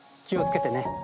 気を付けてね。